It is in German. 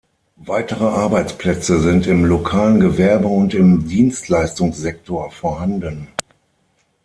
Weitere Arbeitsplätze sind im lokalen Gewerbe und im Dienstleistungssektor vorhanden.